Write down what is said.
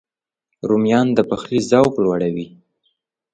رومیان د پخلي ذوق لوړوي